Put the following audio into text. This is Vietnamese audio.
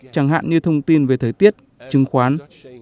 chẳng hạn như thông tin về thời tiết chứng khoán